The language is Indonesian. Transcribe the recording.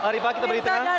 mari pak kita beri tangan